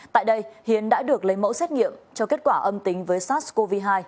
tại đây hiến đã được lấy mẫu xét nghiệm cho kết quả âm tính với sars cov hai